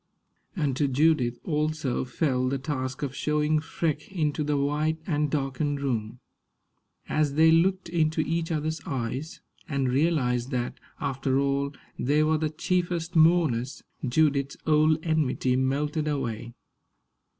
And to Judith also fell the task of showing Freke into the white and darkened room. As they looked into each other's eyes, and realized that, after all, they were the chiefest mourners, Judith's old enmity melted away.